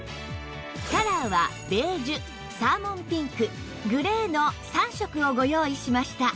カラーはベージュサーモンピンクグレーの３色をご用意しました